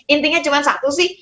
intinya cuma satu sih